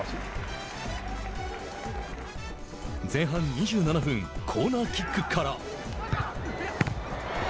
前半２７分コーナーキックから。